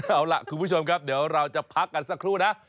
เอาล่ะคุณผู้ชมครับเดี๋ยวเราจะพักกันสักครู่นะ